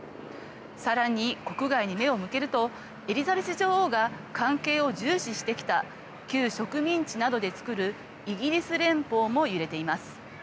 さらに、国外に目を向けるとエリザベス女王が関係を重視してきた旧植民地などでつくるイギリス連邦も揺れています。